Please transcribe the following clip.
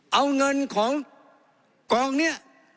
เอาเงินของกองนี้